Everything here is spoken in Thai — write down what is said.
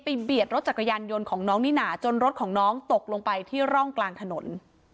เบียดรถจักรยานยนต์ของน้องนิน่าจนรถของน้องตกลงไปที่ร่องกลางถนน